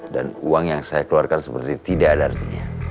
dan uang yang saya keluarkan seperti tidak ada artinya